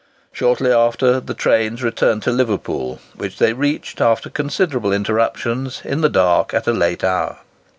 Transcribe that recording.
Shortly after, the trains returned to Liverpool, which they reached, after considerable interruptions, in the dark, at a late hour.